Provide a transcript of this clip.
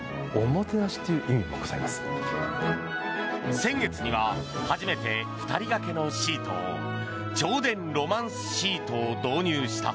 先月には初めて２人掛けのシートを銚電ロマンスシートを導入した。